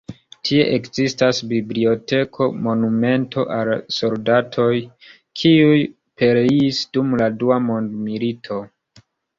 Tie ekzistas biblioteko, monumento al la soldatoj, kiuj pereis dum la Dua Mondmilito.